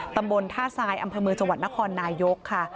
ตัมบลธสายอัมพมือสวรรค์นะครนายกค่ะ